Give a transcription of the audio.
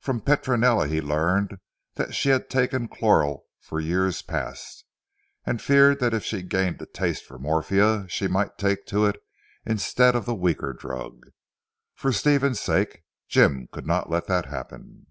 From Petronella he learned that she had taken chloral for years past, and feared that if she gained a taste for morphia she might take to it instead of the weaker drug. For Stephen's sake, Jim could not let that happen.